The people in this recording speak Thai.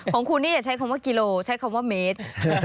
ของคุณนี่อย่าใช้คำว่ากิโลใช้คำว่าเมตร